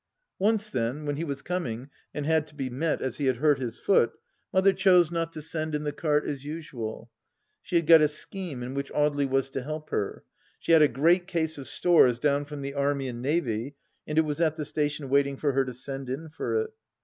Once, then, when he was coming and had to be met as he had hurt his foot. Mother chose not to send in the cart as usual. She had got a scheme in which Audely was to help her. She had a great case of stores down from the Army and Navy, and it was at the station waiting for her to send in for it.